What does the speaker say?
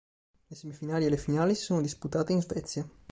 Le semifinali e le finali si sono disputate in Svezia.